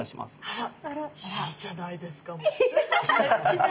あらいいじゃないですか。